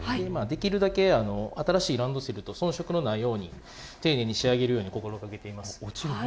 今、できるだけ新しいランドセルと遜色のないように、丁寧に仕上げるように心がけております。